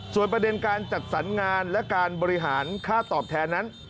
ส่วนประเด็นการจัดสรรงานและการบริหารค่าตอบแทนนั้น